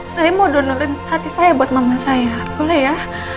saya mau donorin hati saya buat mama saya boleh ya